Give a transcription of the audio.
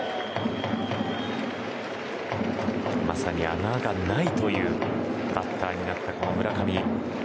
まさに穴がないというバッターになった村上。